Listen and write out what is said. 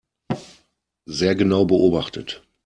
Sehr genau beobachtet.